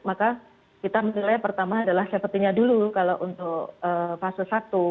maka kita menilai pertama adalah safety nya dulu kalau untuk fase satu